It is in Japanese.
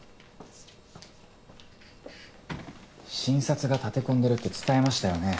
診察が立て込んでるって伝えましたよね。